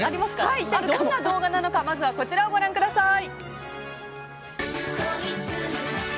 どんな動画なのかまずはこちらをご覧ください。